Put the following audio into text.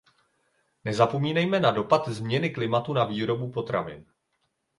Nezapomínejme na dopad změny klimatu na výrobu potravin.